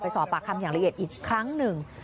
สอบปากคำอย่างละเอียดอีกครั้งหนึ่ง